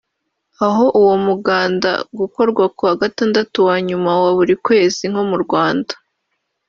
Aho uwo mu ganda gukorwa kuwa gatandatu wa nyuma wa buri kwezi nko mu Rwanda